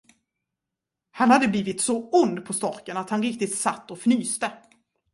Han hade blivit så ond på storken, att han riktigt satt och fnyste.